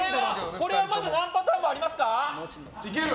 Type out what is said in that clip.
これはまだ何パターンもありますか？